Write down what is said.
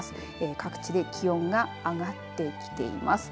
各地で気温が上がってきています。